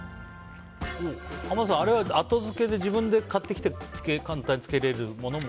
濱田さん、後付けで自分で買ってきて簡単につけれるものも？